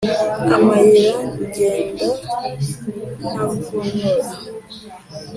Amayira ngenda ntavunura.